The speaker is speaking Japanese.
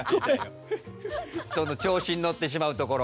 その調子に乗ってしまうところ